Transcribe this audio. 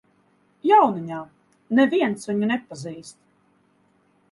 Jauniņā, neviens viņu nepazīst.